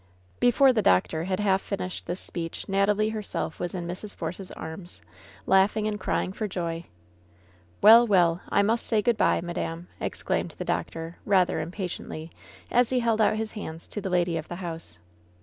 Before the doctor had half finished this speech Natalie herself was in Mrs. Force's arms, laughing and crying for joy. "Well, well! I must say good by, madam 1^' ex claimed the doctor, rather impatiently, as he held out his hands to the lady of the house.